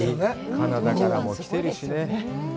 カナダからも来てるしね。